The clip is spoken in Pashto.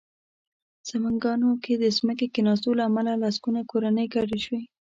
سمنګانو کې د ځمکې کېناستو له امله لسګونه کورنۍ کډه شوې